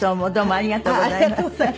ありがとうございます。